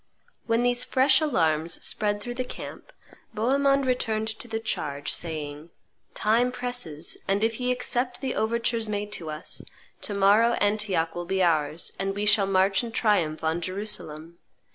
When these fresh alarms spread through the camp, Bohemond returned to the charge, saying, "Time presses; and if ye accept the overtures made to us, to morrow Antioch will be ours, and we shall march in triumph on Jerusalem.